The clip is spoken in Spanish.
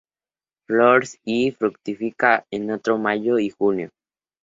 Florece y fructifica entre mayo y julio.